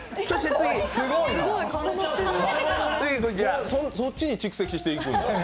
そして次そっちに蓄積していくんだ。